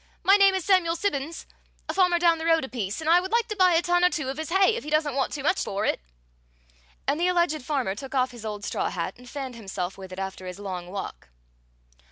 My name is Samuel Simmons, a farmer down the road a piece, and I would like to buy a ton or two of his hay, if he doesn't want too much for it." And the alleged farmer took off his old straw hat and fanned himself with it after his long walk.